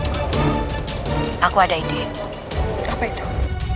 jangan muak saya tuh